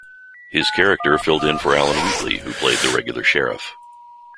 His character filled in for Alan Wheatley, who played the regular sheriff.